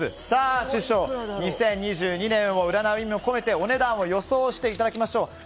さあ師匠、２０２２年を占う意味も込めてお値段を予想していただきましょう。